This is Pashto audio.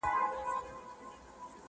خر په خپله ګناه پوه نه سو تر پایه.!